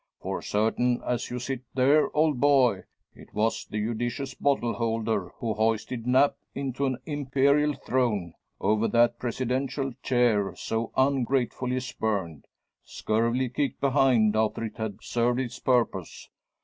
For, certain as you sit there, old boy, it was the judicious bottle holder who hoisted Nap into an imperial throne, over that Presidential chair, so ungratefully spurned scurvily kicked behind after it had served his purpose.